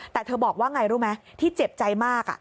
แต่เธอบอกว่าไงรู้ไหมที่เจ็บใจมาก